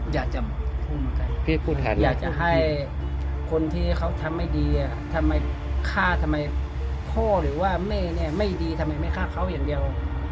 อยากจะภูมิใจคืออยากจะให้คนที่เขาทำไม่ดีทำไมฆ่าทำไมพ่อหรือว่าแม่เนี่ยไม่ดีทำไมไม่ฆ่าเขาอย่างเดียว